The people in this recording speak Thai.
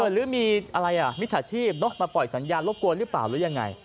หรือมีอะไรล่ะมิจฉาชีพมาปล่อยสัญญาณรบกวนหรือเปล่าหรือยังไง